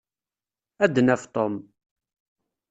Ad d-naf Tom.